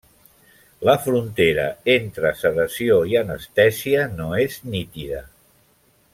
La frontera entre sedació i anestèsia no és nítida.